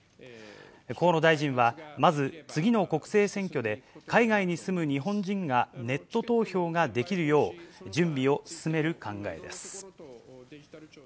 河野大臣は、まず次の国政選挙で、海外に住む日本人がネット投票ができるよう準備を進める考えです。